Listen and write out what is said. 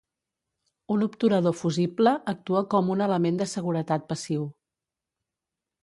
Un obturador fusible actua com un element de seguretat passiu.